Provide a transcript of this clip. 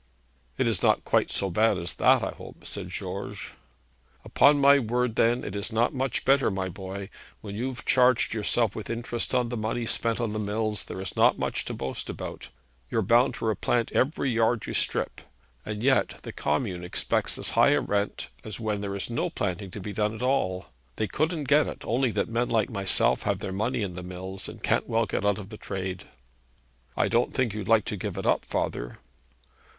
'It's not quite so bad as that, I hope,' said George. 'Upon my word then it is not much better, my boy. When you've charged yourself with interest on the money spent on the mills, there is not much to boast about. You're bound to replant every yard you strip, and yet the Commune expects as high a rent as when there was no planting to be done at all. They couldn't get it, only that men like myself have their money in the mills, and can't well get out of the trade.' 'I don't think you'd like to give it up, father.'